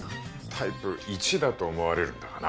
タイプ１だと思われるんだがな。